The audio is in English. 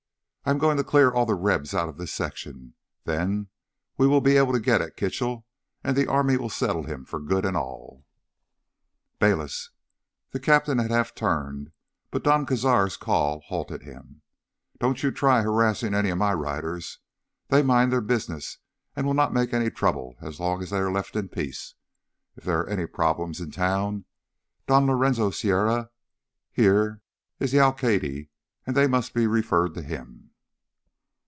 I'm going to clear all the Rebs out of this section. Then we will be able to get at Kitchell, and the army will settle him for good and all!" "Bayliss!" The captain had half turned, but Don Cazar's call halted him. "Don't you try harassing any of my riders. They mind their business and will not make any trouble as long as they are left in peace. If there are any problems in town, Don Lorenzo Sierra, here, is the alcalde and they must be referred to him."